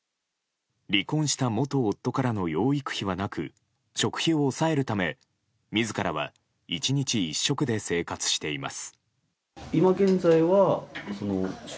離婚した元夫からの養育費はなく食費を抑えるため自らは１日１食で生活しています。